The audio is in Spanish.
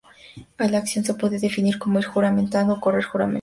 La acción de se puede definir como "ir juramentado" o "correr juramentado.